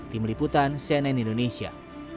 tim liputan cnn indonesia